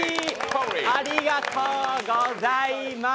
ありがとうございます。